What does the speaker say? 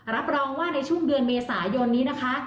รับรองว่าในช่วงเดือนเมษายนนี้นะคะ